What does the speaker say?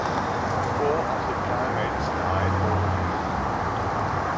Four of the primates died or were never found.